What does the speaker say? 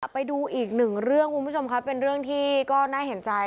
ไปดูอีกหนึ่งเรื่องคุณผู้ชมครับเป็นเรื่องที่ก็น่าเห็นใจ